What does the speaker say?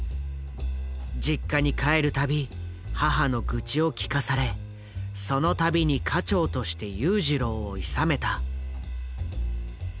実家に帰る度母の愚痴を聞かされその度に家長として裕次郎をいさめた。